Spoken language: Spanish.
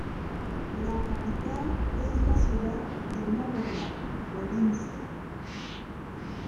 La capital es la ciudad de Novograd-Volynsky.